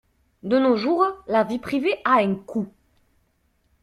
De nos jours, la vie privée à un coût.